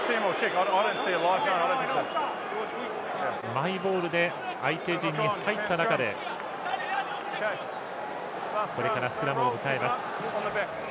マイボールで相手陣に入った中でこれからスクラムを迎えます。